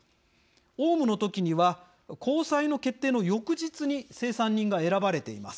オウムの時には高裁の決定の翌日に清算人が選ばれています。